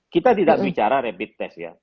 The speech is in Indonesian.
kita tidak bicara rapid test ya